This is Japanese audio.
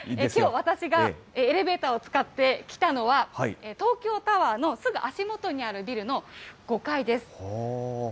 きょう、私がエレベーターを使って来たのは、東京タワーのすぐ足元にあるビルの５階です。